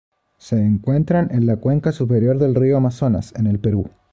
Se encuentran en la cuenca superior del río Amazonas, en el Perú.